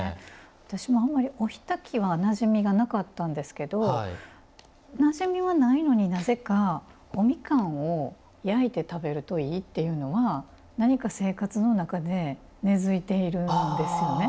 私もあまりお火焚きはなじみがなかったんですけどなじみはないのになぜかおみかんを焼いて食べるといいっていうのは何か生活の中で根づいているんですよね。